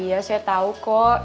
iya saya tau kok